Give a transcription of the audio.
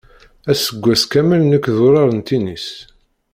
Aseggas kamel nekk d urar n tinis.